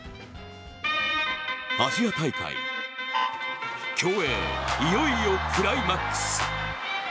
アジア大会、競泳いよいよクライマックス。